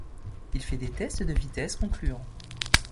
Il fait des tests de vitesse concluants.